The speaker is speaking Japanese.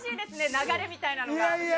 流れみたいなのが。